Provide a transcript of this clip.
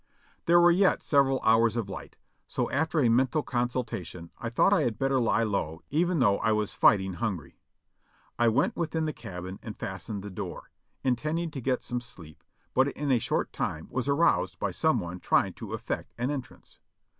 There were yet several hours of light, so after a mental consulta tion I thought I had better lie low even though I was fighting hungry. I went within the cabin and fastened the door, intend ing to get some sleep, but in a short time was aroused by some one trying to effect an entrance.